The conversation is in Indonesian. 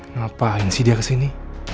ngapain sih dia kesini